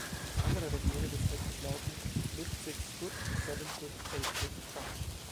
Andere Versionen des Textes lauten: "Lift six foot, seven foot, eight foot, bunch!